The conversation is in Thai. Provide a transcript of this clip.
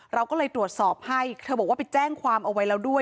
เราก็เลยตรวจสอบให้เธอบอกว่าไปแจ้งความเอาไว้แล้วด้วย